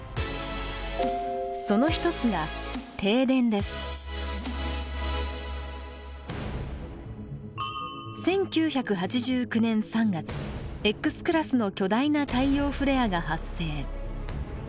その一つが１９８９年３月Ｘクラスの巨大な太陽フレアが発生。